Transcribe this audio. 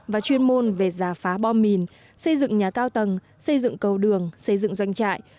và chuyên môn về giả phá bom mìn xây dựng nhà cao tầng xây dựng cầu đường xây dựng doanh trại